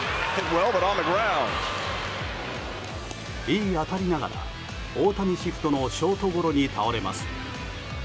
いい当たりながら大谷シフトのショートゴロに倒れます。